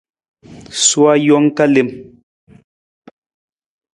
Sowa jang ka lem.